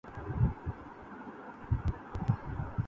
آزاد و گرفتار و تہی کیسہ و خورسند